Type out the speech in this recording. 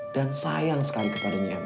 dan sayang sekali kepadanya eme